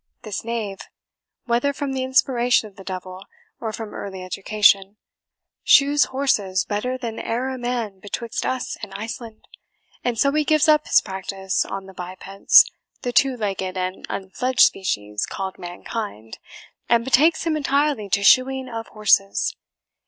This knave, whether from the inspiration of the devil, or from early education, shoes horses better than e'er a man betwixt us and Iceland; and so he gives up his practice on the bipeds, the two legged and unfledged species called mankind, and betakes him entirely to shoeing of horses."